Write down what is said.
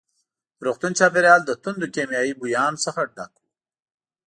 د روغتون چاپېریال له توندو کیمیاوي بویانو څخه ډک وو.